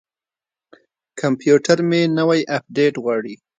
کمپیوټر مې نوی اپډیټ غواړي.